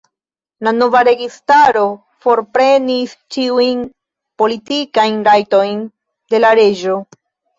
La nova registaro forprenis ĉiujn politikajn rajtojn de la reĝo.